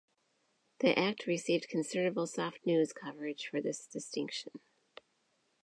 The act received considerable soft news coverage for this distinction.